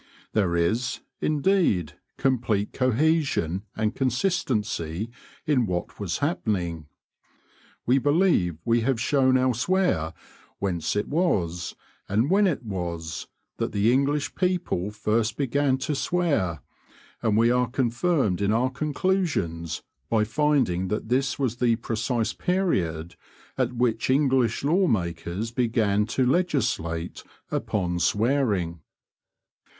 There is, indeed, complete cohesion and consistency in what was happening. We believe we have shown elsewhere whence it was, and when it was, that the English people first began to swear, and we are confirmed in our conclusions by finding that this was the precise period at which English law makers began to legislate upon swearing.